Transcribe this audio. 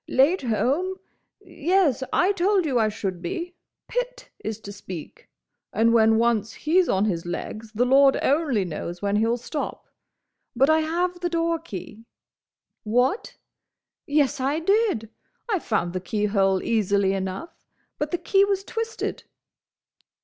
"Late home?—Yes; I told you I should be. Pitt is to speak, and when once he's on his legs the Lord only knows when he'll stop. But I have the doorkey. What? Yes, I did! I found the keyhole easily enough, but the key was twisted.